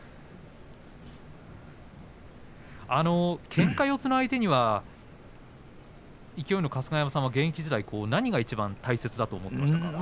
けんか四つの相手には勢の春日山さんは現役時代、何がいちばん大切だと思っていましたか。